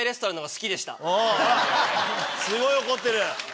すごい怒ってる。